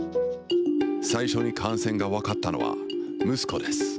最初に感染が分かったのは息子です。